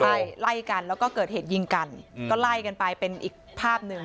ใช่ไล่กันแล้วก็เกิดเหตุยิงกันก็ไล่กันไปเป็นอีกภาพหนึ่ง